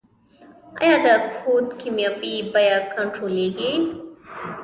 آیا د کود کیمیاوي بیه کنټرولیږي؟